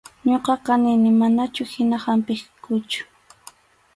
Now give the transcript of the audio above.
Ñuqaqa nini manachu hina hampiqkuchu.